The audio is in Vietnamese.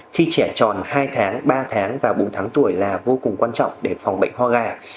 khi trẻ tròn hai tháng ba tháng và bốn tháng tuổi là vô cùng quan trọng để phòng bệnh ho gà